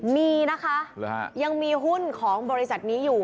มีนะคะยังมีหุ้นของบริษัทนี้อยู่